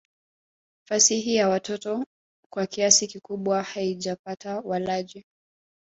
Fasihi ya watoto kwa kiasi kikubwa haijapata walaji.